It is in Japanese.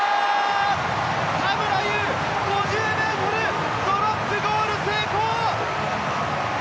田村優、ドロップゴール成功！